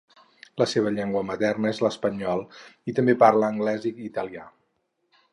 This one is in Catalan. La seva llengua materna és l'espanyol i també parla anglès i italià.